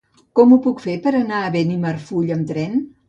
Com ho puc fer per anar a Benimarfull amb tren?